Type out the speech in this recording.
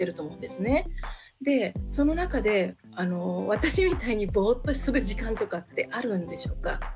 でその中で私みたいにぼーっとする時間とかってあるんでしょうか？